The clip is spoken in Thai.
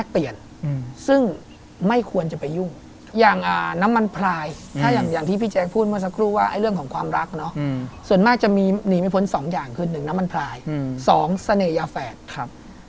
เป็นเหมือนกันหรอ